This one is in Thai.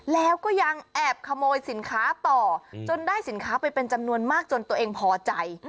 แล้วก็ยังแอบขโมยสินค้าต่อจนได้สินค้าไปเป็นจำนวนมากจนตัวเองพอใจ